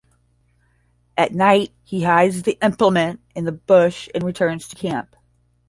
At night he hides the implement in the bush and returns to camp.